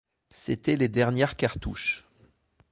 C’étaient les dernières cartouches.